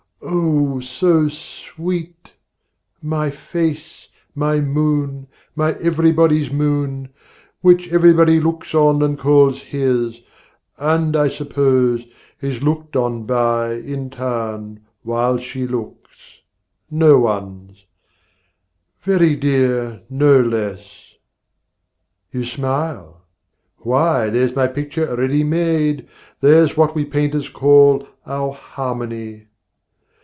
oh, so sweet My face, my moon, my everybody's moon, Which everybody looks on and calls his, And, I suppose, is looked on by in turn, While she looks no one's: very dear, no less. You smile? why, there's my picture ready made, There's what we painters call our harmony!